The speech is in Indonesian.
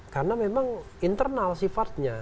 karena memang internal sifatnya